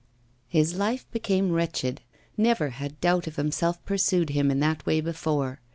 His life became wretched. Never had doubt of himself pursued him in that way before.